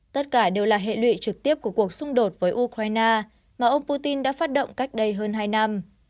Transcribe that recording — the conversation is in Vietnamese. tất cả đều là hệ lụy trực tiếp của cuộc xung đột với ukraine mà ông putin đã phát động cách đây hơn hai năm